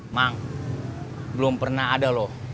mang belum pernah ada loh